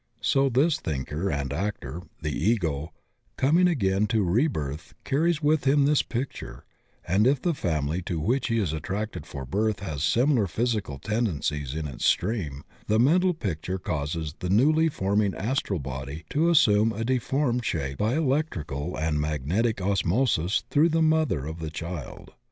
So this thinker and actor — ^the Ego — coming again to rebirth carries with him this picture, and if the family to which he is attracted for birth has similar physi cal tendencies in its stream, the mental picture causes the newly forming astral body to assume a deformed shape by electrical and magnetic osmosis through the mofiier of the child.